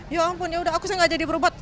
ya ampun ya udah aku saya gak jadi berobat